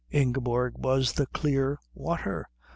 Ingeborg was the clear water.